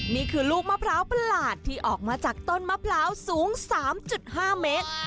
นี่คือลูกมะพร้าวประหลาดที่ออกมาจากต้นมะพร้าวสูง๓๕เมตร